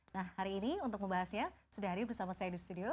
nah hari ini untuk membahasnya sudah hadir bersama saya di studio